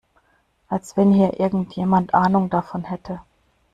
Als wenn hier irgendjemand Ahnung davon hätte!